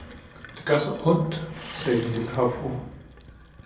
"Det gør så ondt!" sagde den lille havfrue.